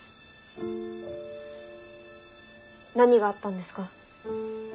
何があったんですか？